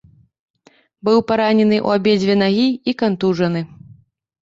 Быў паранены ў абедзве нагі і кантужаны.